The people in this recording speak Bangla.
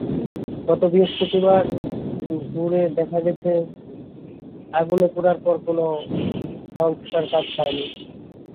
গত বৃহস্পতিবার ঘুরে দেখা গেছে, আগুনে পোড়ার পর কোনো সংস্কারকাজ হয়নি।